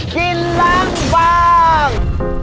กินรังบาง